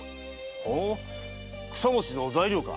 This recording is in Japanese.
ほう草餅の材料か。